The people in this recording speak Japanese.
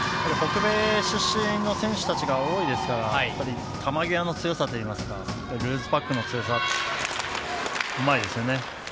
北米出身の選手たちが多いですから球際の強さといいますかルーズパックの強さは、うまいですね。